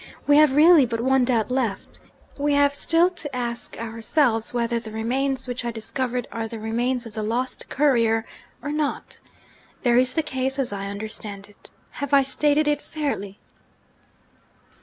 We have really but one doubt left: we have still to ask ourselves whether the remains which I discovered are the remains of the lost courier, or not. There is the case, as I understand it. Have I stated it fairly?'